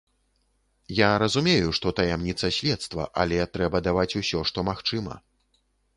Я разумею, што таямніца следства, але трэба даваць усё, што магчыма.